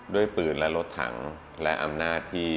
ด้วยปืนและรถถังและอำนาจที่